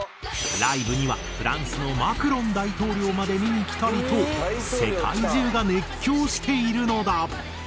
ライブにはフランスのマクロン大統領まで見に来たりと世界中が熱狂しているのだ。